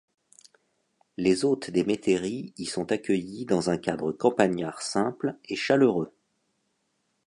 Les hôtes des métairies y sont accueillis dans un cadre campagnard simple et chaleureux.